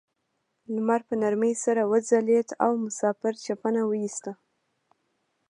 لمر په نرمۍ سره وځلید او مسافر چپن وویسته.